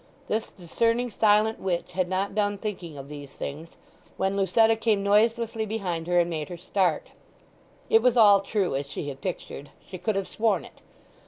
This discerning silent witch had not done thinking of these things when Lucetta came noiselessly behind her and made her start. It was all true as she had pictured—she could have sworn it.